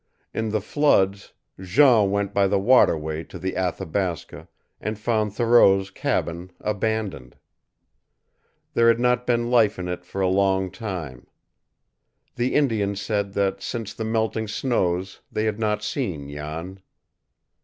In the floods, Jean went by the water way to the Athabasca, and found Thoreau's cabin abandoned. There had not been life in it for a long time. The Indians said that since the melting snows they had not seen Jan.